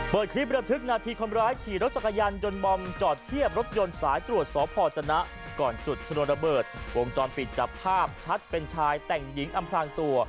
คลิประทึกนาทีคนร้ายขี่รถจักรยานยนต์บอมจอดเทียบรถยนต์สายตรวจสพจนะก่อนจุดชนวนระเบิดวงจรปิดจับภาพชัดเป็นชายแต่งหญิงอำพลางตัว